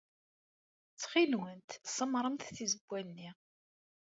Ttxil-went, semmṛemt tizewwa-nni.